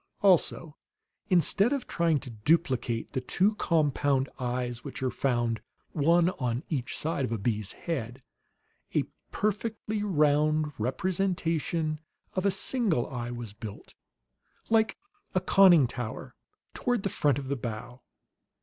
Also, instead of trying to duplicate the two compound eyes which are found, one on each side of a bee's head, a perfectly round representation of a single eye was built, like a conning tower, toward the front of the bow.